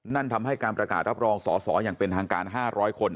นั่นทำให้การประกาศรับรองสอสออย่างเป็นทางการ๕๐๐คน